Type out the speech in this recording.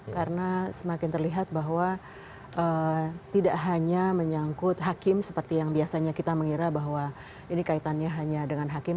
karena semakin terlihat bahwa tidak hanya menyangkut hakim seperti yang biasanya kita mengira bahwa ini kaitannya hanya dengan hakim